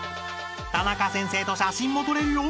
［タナカ先生と写真も撮れるよ］